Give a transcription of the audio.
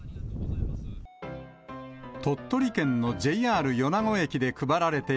鳥取県のＪＲ米子駅で配られてい